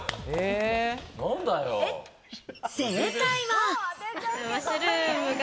正解は。